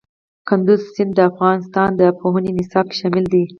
کندز سیند د افغانستان د پوهنې نصاب کې شامل دي.